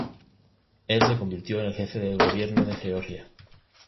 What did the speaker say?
El se convirtió en el jefe de Gobierno de Georgia.